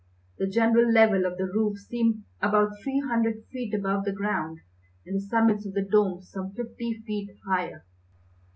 The general level of the roof seemed about three hundred feet above the ground, and the summits of the domes some fifty feet higher.